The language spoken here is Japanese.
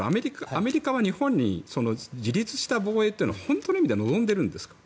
アメリカは日本に自立した防衛というのを本当の意味では望んでいるんですか？